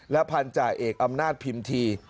พันธาเอกอำนาจพิมพี